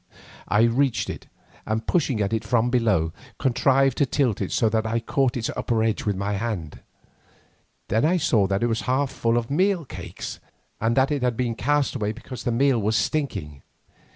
I reached it, and pushing at it from below, contrived to tilt it so that I caught its upper edge with my hand. Then I saw that it was half full of meal cakes, and that it had been cast away because the meal was stinking.